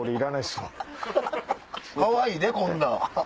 かわいいでこんなん。